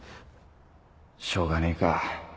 しょうがねえか